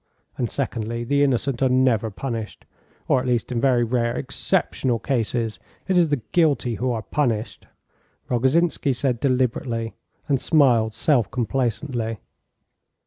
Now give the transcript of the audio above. And, secondly, the innocent are never punished, or at least in very rare, exceptional cases. It is the guilty who are punished," Rogozhinsky said deliberately, and smiled self complacently.